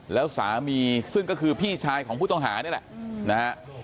แล้วสามีซึ่งก็คือพี่ชายของผู้ต้องหานี่แหละนะฮะ